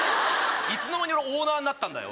いつの間に俺オーナーになったんだよ。